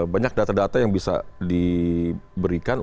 banyak data data yang bisa diberikan